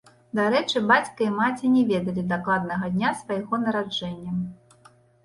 Дарэчы, бацька і маці не ведалі дакладнага дня свайго нараджэння.